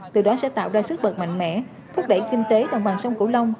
từ đó sẽ tạo ra sức mạnh mẽ thúc đẩy kinh tế đồng bằng sông cổ long